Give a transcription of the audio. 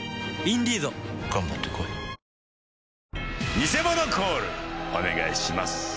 ニセモノコールお願いします。